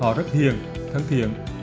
họ rất hiền thân thiện